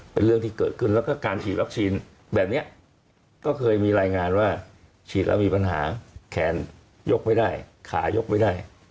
เป็นเรื่องที่เกิดขึ้นแล้วก็การฉีดวัคซีนแบบนี้ก็เคยมีรายงานว่าฉีดแล้วมีปัญหาแขนยกไม่ได้ขายกไม่ได้